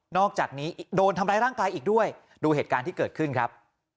อกจากนี้โดนทำร้ายร่างกายอีกด้วยดูเหตุการณ์ที่เกิดขึ้นครับ